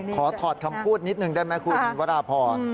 ขอถอดคำพูดนิดหนึ่งได้ไหมคุณสินวัดละพอ